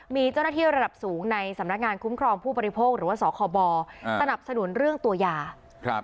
มีเจ้าหน้าที่ระดับสูงในสำนักงานคุ้มครองผู้บริโภคหรือว่าสคบสนับสนุนเรื่องตัวยาครับ